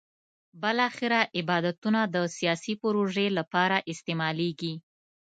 بالاخره عبادتونه د سیاسي پروژې لپاره استعمالېږي.